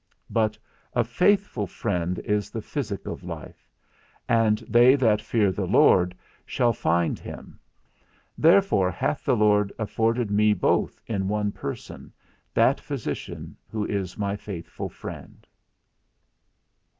But a faithful friend is the physic of life, and they that fear the Lord shall find him. Therefore hath the Lord afforded me both in one person, that physician who is my faithful friend.